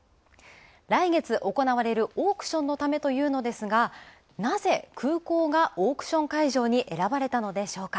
来月行われるオークションのためというのですがなぜ空港がオークション会場に選ばれたのでしょうか。